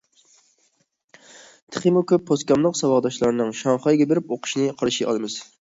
تېخىمۇ كۆپ پوسكاملىق ساۋاقداشلارنىڭ شاڭخەيگە بېرىپ ئوقۇشىنى قارشى ئالىمىز.